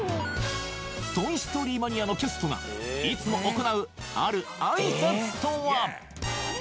トイ・ストーリー・マニア！のキャストがいつも行うある挨拶とは？